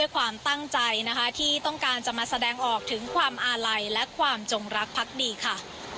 ก็รู้สึกปลื้มปลื้มปิติอะค่ะ